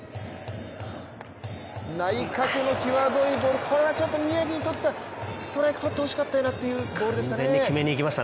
内角のきわどいボール、これがちょっと宮城にとってはストライクとってほしいというボールでしたかね。